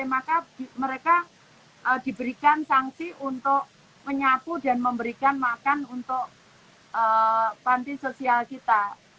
maka mereka diberikan sanksi untuk menyapu dan memberikan makan untuk panti sosial kita